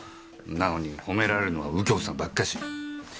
なのに褒められるのは右京さんばっかし。